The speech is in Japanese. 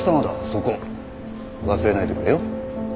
そこ忘れないでくれよ。